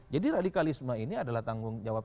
jadi radikalisme ini adalah tanggung jawab